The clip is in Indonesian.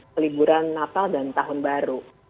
peliburan natal dan tahun baru